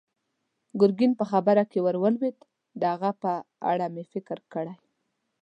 ګرګين په خبره کې ور ولوېد: د هغه په اړه مې فکر کړی.